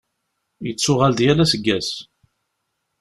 Yettuɣal-d yal aseggas.